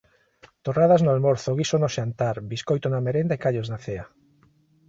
Torradas no almorzo, guiso no xantar, biscoito na merenda e callos na cea